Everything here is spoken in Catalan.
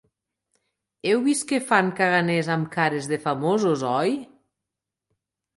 Heu vist que fan caganers amb cares de famosos, oi?